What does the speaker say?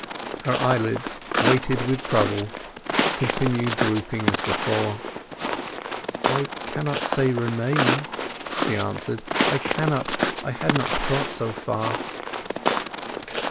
Her eyelids, weighted with trouble, continued drooping as before. "I cannot say 'Remain,'" she answered, "I cannot; I had not thought so far."